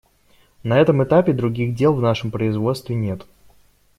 На этом этапе других дел в нашем производстве нет.